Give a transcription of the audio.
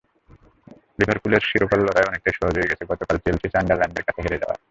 লিভারপুলের শিরোপার লড়াই অনেকটাই সহজ হয়ে গেছে গতকাল চেলসি সান্ডারল্যান্ডের কাছে হেরে যাওয়ায়।